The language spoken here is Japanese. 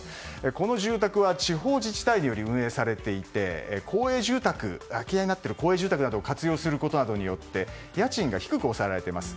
この住宅は地方自治体に運営されていて空き家になっている公営住宅などを活用することによって家賃が低く抑えられています。